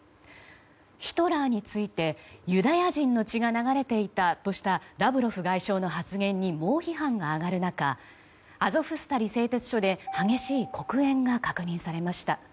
ヒトラーについてユダヤ人の血が流れていたとしたラブロフ外相の発言に猛批判が上がる中アゾフスタリ製鉄所で激しい黒煙が確認されました。